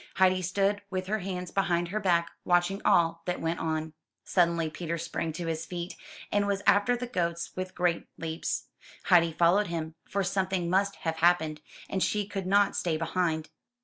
Heidi stood with her hands behind her back, watching all that went on. 287 M Y BOOK HOUSE Suddenly Peter sprang to his feet, and was after the goats with great leaps; Heidi followed him, iot something must have happened, and she could not stay behind.